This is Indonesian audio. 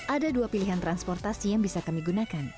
ada dua pilihan transportasi yang bisa kami gunakan